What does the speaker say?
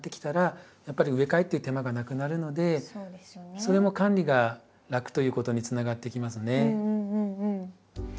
それも管理が楽ということにつながってきますね。